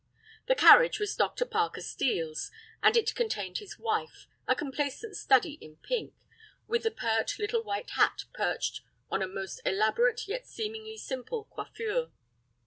The carriage was Dr. Parker Steel's, and it contained his wife, a complacent study in pink, with a pert little white hat perched on a most elaborate yet seemingly simple coiffure.